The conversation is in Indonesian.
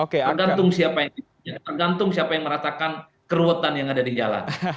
tergantung siapa yang merasakan keruatan yang ada di jalan